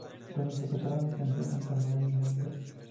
Donde interpretaron la canción junto a Mary Lambert.